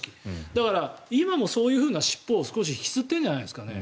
だから今もそういう尻尾を少し引きずっているんじゃないんですかね。